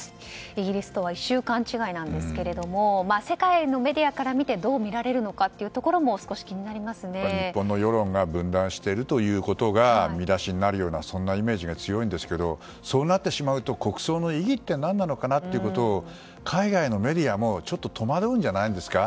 イギリスとは１週間違いなんですけれども世界のメディアからどう見られるのかというところも日本の世論が分断していることが見出しになるようなイメージが強いんですけどそうなってしまうと国葬の意義って何なのかなっていうのを海外のメディアも戸惑うんじゃないですか。